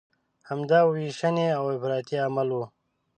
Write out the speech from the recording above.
همدا ویشنې او افراطي عمل و.